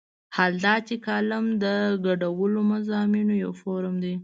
حال دا چې کالم د ګډوله مضامینو یو فورم دی.